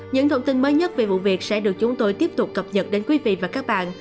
những thông tin mới nhất về vụ việc sẽ được chúng tôi tiếp tục cập nhật đến quý vị và các bạn